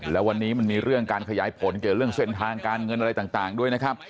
แล้ววันนี้มันมีเรื่องการขยายผลเกี่ยวเรื่องเส้นทางการเงินอะไรต่างด้วยนะครับ